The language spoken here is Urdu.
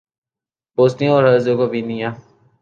بوسنیا اور ہرزیگووینا